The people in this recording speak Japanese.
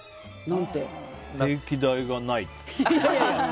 定期代がないって。